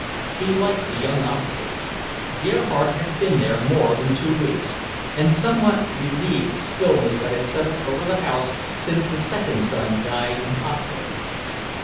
He liked the young officers. Gerhardt had been there more than two weeks, and somewhat relieved the stillness that had settled over the house since the second son died in hospital.